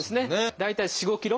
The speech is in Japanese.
大体４５ｋｇ。